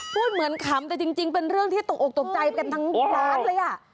พูดเหมือนขำแต่จริงเป็นเรื่องที่ตกออกตกใจกันทั้งร้านเลยอ่ะ